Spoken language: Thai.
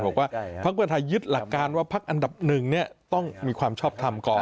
บอกว่าพักเพื่อไทยยึดหลักการว่าพักอันดับหนึ่งต้องมีความชอบทำก่อน